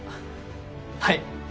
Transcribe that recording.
はい！